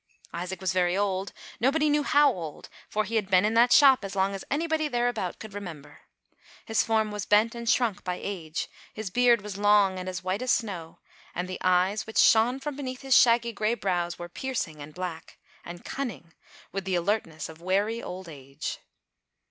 Isaac was very old, nobody knew how old, for he had been in that shop, as long as anybody thereabout could remember. His form was bent and shrunk by age, his beard was long and as white as snow, and the eyes, which shone from beneath his shaggy gray brows were piercing and black, and cunning, with the alert ness of wary old age.